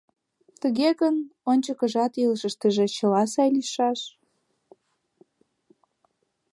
Тыге гын, ончыкыжат илышыштыже чыла сай лийшаш?